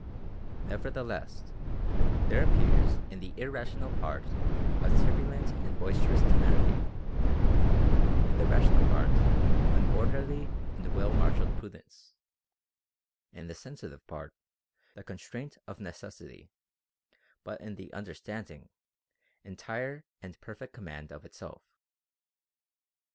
Nevertheless, there appears in the irrational part a turbulent and boisterous temerity ; in the rational part, an orderly and well marshalled pru dence ; in the sensitive part, the constraint of necessity ; but in the understanding, entire and perfect command of itself.